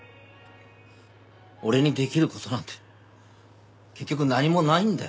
俺にできる事なんて結局何もないんだよ。